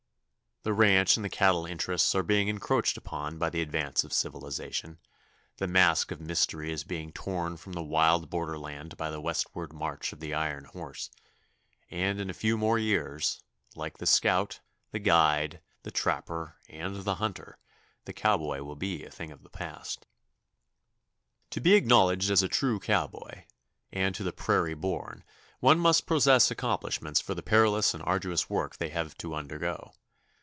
The ranch and the cattle interests are being encroached upon by the advance of civilization, the mask of mystery is being torn from the wild borderland by the westward march of the iron horse, and in a few more years, like the scout, the guide, the trapper, and the hunter, the cowboy will be a thing of the past. [Illustration: A BUCKING BRONCO.] To be acknowledged as a true cowboy, and to the prairie born, one must possess accomplishments for the perilous and arduous work they have to undergo.